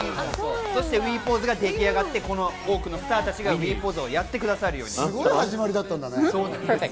そしてＷＥポーズが出来上がって多くのスターたちがＷＥポーズをやってくださるようになったんです。